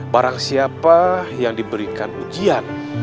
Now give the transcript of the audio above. barang siapa yang diberikan ujian